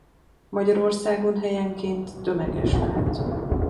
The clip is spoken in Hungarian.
Magyarországon helyenként tömeges lehet.